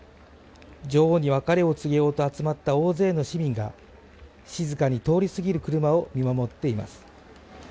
女王に別れを告げようと集まった大勢の市民が静かに通り過ぎる車を見守っています。